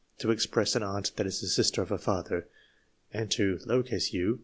to express an aunt that is the sister of a father ; and to u.